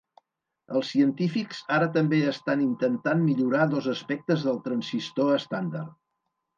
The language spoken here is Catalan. Els científics ara també estan intentant millorar dos aspectes del transistor estàndard.